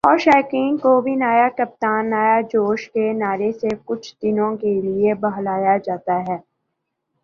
اور شائقین کو بھی "نیا کپتان ، نیا جوش" کے نعرے سے کچھ دنوں کے لیے بہلایا جاسکتا ہے